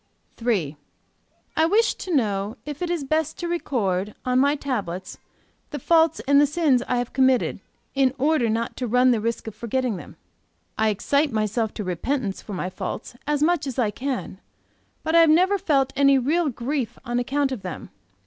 "III. I wish to know if it is best to record, on my tablets, the faults and the sins I have committed, in order not to run the risk of forgetting them. I excite in myself to repentance for my faults as much as I can; but I have never felt any real grief on account of them.